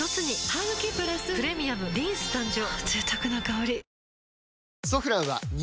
ハグキプラス「プレミアムリンス」誕生